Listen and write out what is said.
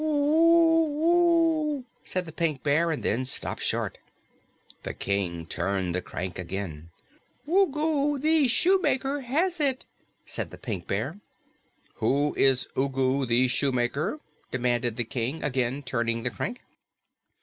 "U u u," said the Pink Bear, and then stopped short. The King turned the crank again. "U g u the Shoemaker has it," said the Pink Bear. "Who is Ugu the Shoemaker?" demanded the King, again turning the crank.